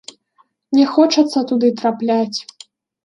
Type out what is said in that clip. Не хочацца туды трапляць.